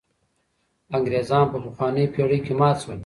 انګرېزان په پخوانۍ پېړۍ کې مات شول.